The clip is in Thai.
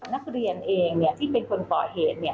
นักเรียนเองเนี่ยที่เป็นคนก่อเหตุเนี่ย